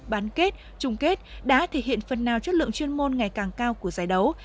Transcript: bán kết chung kết đã thể hiện phần nào chất lượng chuyên môn ngày càng cao của giải đấu